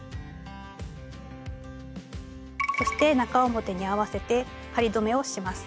そして中表に合わせて仮留めをします。